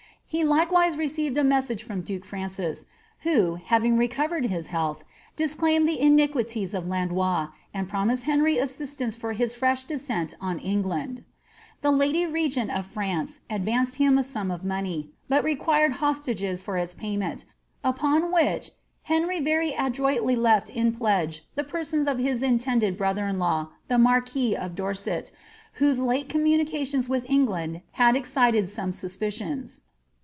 He likewise received a message from duke Francis, who, having recovered his health, disclaimed the iniquities of Landois, and promised Henry assistance for his fresh descent on England. The lady regent of France advanced him a sum of money, but required hostages for its payment, upon which Henry very adroitly left in pledge the person of his intended brother in law, Uie marquis of Dorset, whose late communications with England had excited some suspicions.